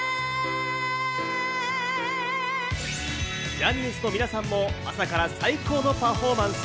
ジャニーズの皆さんも朝から最高のパフォーマンス！